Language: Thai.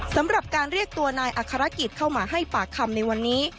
สำหรับการเรียกตัวนายอัครกิจเข้ามาให้ปากคำในวันนี้